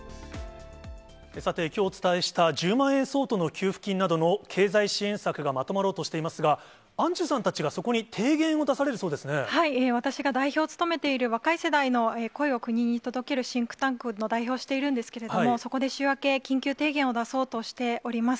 さて、きょうお伝えした１０万円相当の給付金などの経済支援策がまとまろうとしていますが、アンジュさんたちが、そこに提言を出される私が代表を務めている、若い世代の声を国に届けるシンクタンクの代表をしているんですけれども、そこで週明け、緊急提言を出そうとしております。